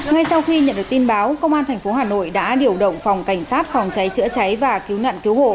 ngay sau khi nhận được tin báo công an tp hà nội đã điều động phòng cảnh sát phòng cháy chữa cháy và cứu nạn cứu hộ